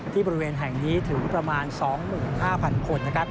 ที่บริเวณแห่งนี้ถึงประมาณ๒๕๐๐๐คน